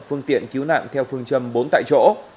phương tiện cứu nạn theo phương châm bốn tại chỗ